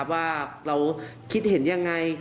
ว่าเราคิดเห็นยังไง